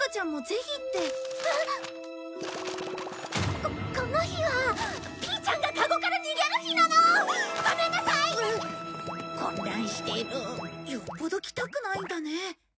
よっぽど来たくないんだね。